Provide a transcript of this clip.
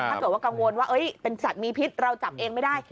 ถ้าเกิดว่ากังวลว่าเป็นสัตว์มีพิษเราจับเองไม่ได้